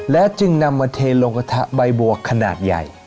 จึงนำมาเทลงกระทะใบบัวขนาดใหญ่